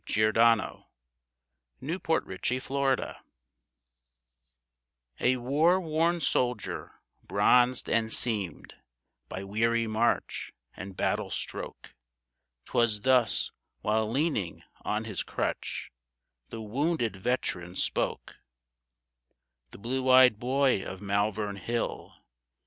CHARLEY OF MALVERN HILL A WAR WORN soldier, bronzed and seamed By weary march and battle stroke ; 'Twas thus, while leaning on his crutch, The wounded veteran spoke, —*' The blue eyed boy of Malvern Hill